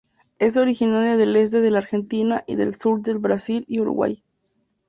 Es originaria del este de la Argentina y del sur del Brasil y Uruguay.